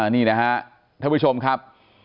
นี่นะครับท่านผู้ชมครับ